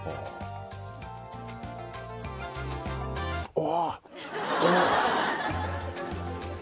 お！